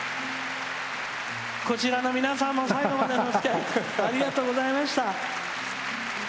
こちらの皆さんも最後までおつきあいありがとうございました！